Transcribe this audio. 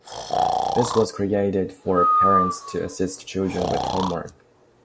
This was created for parents to assist children with homework.